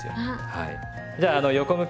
はい。